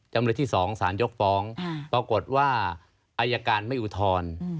จำเลยที่๒สารยกฟ้องปรากฏว่าอายการไม่อุทธรณ์